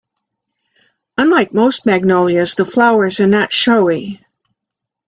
Unlike most magnolias, the flowers are not showy.